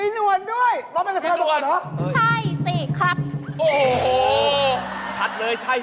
นั่นเหรอ